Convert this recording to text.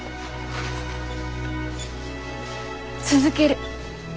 続ける。